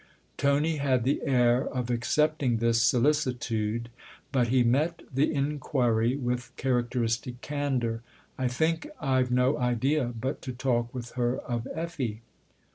" Tony had the air of accepting this solicitude ; but he met the inquiry with characteristic candour. " I think I've no idea but to talk with her of Effie."